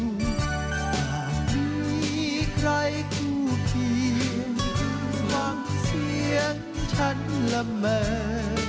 หากมีใครกูเพียงหลังเสียงฉันละเมิด